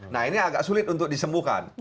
nah ini agak sulit untuk disembuhkan